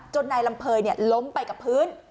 จนนายลำเพย์เนี่ยล้มไปกับพื้น